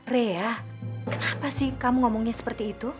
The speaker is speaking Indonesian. rea kenapa sih kamu ngomongnya seperti itu